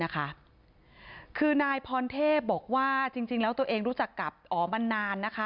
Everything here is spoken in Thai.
คือนายพรเทพบอกว่าจริงแล้วตัวเองรู้จักกับอ๋อมันนานนะคะ